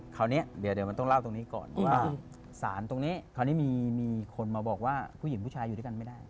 คราวนี้เดี๋ยวมันต้องเล่าตรงนี้ก่อนว่าสารตรงนี้คราวนี้มีคนมาบอกว่าผู้หญิงผู้ชายอยู่ด้วยกันไม่ได้